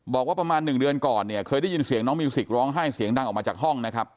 บอกว่าประมาณ๑เดือนก่อนเนี่ยเคยได้ยินเสียงน้องมิวสิกร้องไห้เสียงดังออกมาจากห้องนะครับ